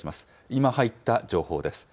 今入った情報です。